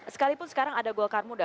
sekalipun sekarang ada golkar muda